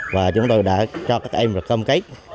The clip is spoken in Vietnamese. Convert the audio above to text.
và chúng tôi đã cho các em công kết